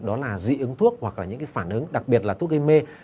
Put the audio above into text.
đó là dị ứng thuốc hoặc là những cái phản ứng đặc biệt là thuốc gây mê